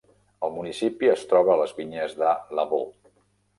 El municipi es troba a les vinyes de Lavaux.